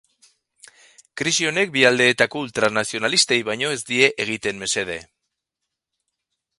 Krisi honek bi aldeetako ultranazionalistei baino ez die egiten mesede.